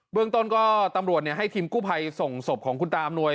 เรื่องต้นก็ตำรวจให้ทีมกู้ภัยส่งศพของคุณตาอำนวย